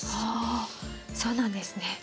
あそうなんですね。